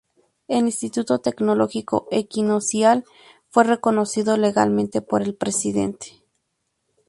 El Instituto Tecnológico Equinoccial fue reconocido legalmente por el Presidente, Dr.